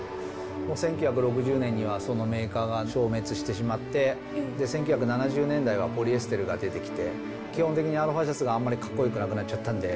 １９６０年にはそのメーカーが消滅してしまって、１９７０年代はポリエステルが出てきて、基本的にアロハシャツがあんまりかっこよくなくなっちゃったんで